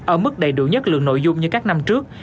ở mức đầy đủ nhất lượng nội dung như các năm trước